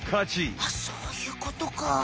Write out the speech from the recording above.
あっそういうことか。